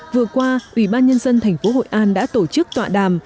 vừa qua ủy ban nhân dân tp hội an đã tổ chức tọa đàm